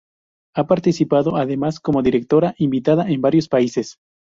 Ha participado además como directora invitada en varios países.